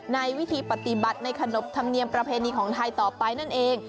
ในวิธีปฏิบัติในขนบธรรมเนียมประเพณีของไทยต่อไปนั่นเอง